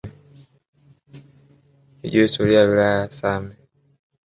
Ijue historia ya wilaya ya same